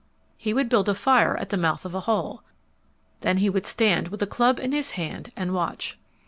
He would build a fire at the mouth of a hole. Then he would stand with a club in his hand and watch.